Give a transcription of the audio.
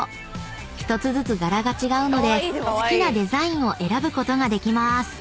［１つずつ柄が違うので好きなデザインを選ぶことができまーす］